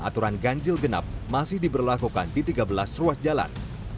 aturan ganjil genap masih diberlakukan di tiga belas ruas jalan